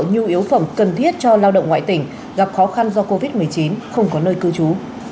nhu yếu phẩm cần thiết cho lao động ngoại tỉnh gặp khó khăn do covid một mươi chín không có nơi cư trú